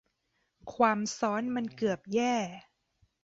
ความซัอนมันเกือบแย่